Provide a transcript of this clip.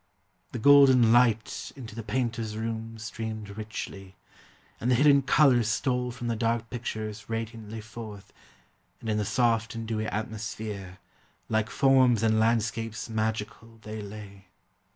The golden light into the painter's room Streamed richly, and the hidden colors stole From the dark pictures radiantly forth, And in the soft and dewy atmosphere Like forms and landscapes magical they lay.